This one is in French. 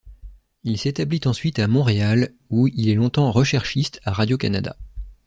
Il s’établit ensuite à Montréal où il est longtemps recherchiste à Radio-Canada.